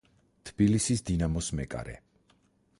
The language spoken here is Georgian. თბილისის „დინამოს“ მეკარე.